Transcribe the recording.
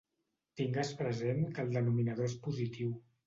Tingues present que el denominador és positiu.